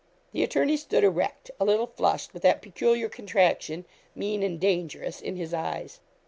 The attorney stood erect, a little flushed, with that peculiar contraction, mean and dangerous, in his eyes.